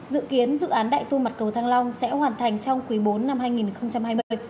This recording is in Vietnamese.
dự kiến dự án đại tu mặt cầu thăng long sẽ hoàn thành trong quý bốn năm hai nghìn hai mươi